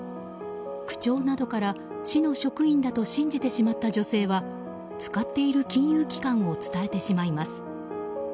区長などから市の職員だと信じてしまった女性は使っている金融機関を伝えてしまいます。